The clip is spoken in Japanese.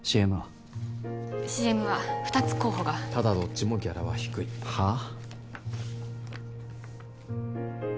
ＣＭは二つ候補がただどっちもギャラは低いはっ？